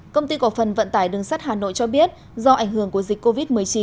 công ty cổ phần vận tải đường sắt hà nội cho biết do ảnh hưởng của dịch covid một mươi chín